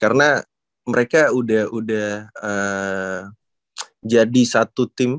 karena mereka udah jadi satu tim